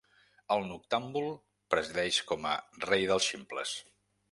El Noctàmbul presideix com a Rei dels Ximples.